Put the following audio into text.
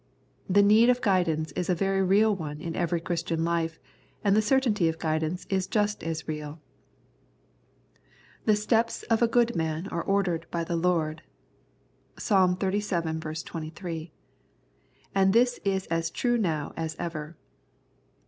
The need of guidance is a very real one in every Christian life, and the certainty of guidance is just as real. " The steps of a good man are ordered by the Lord " (Ps. xxxvii. 23) ; and this is as true now as ever.